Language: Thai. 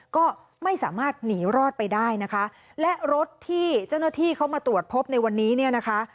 ก็ไม่สามารถหนีรอดไปได้นะคะและรถที่เจ้าหน้าที่เขามาตรวจพบในวันนี้เนี่ยนะคะ